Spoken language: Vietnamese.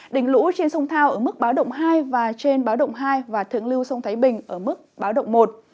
đỉnh lũ trên sông thao ở mức báo động hai và trên báo động hai và thượng lưu sông thái bình ở mức báo động một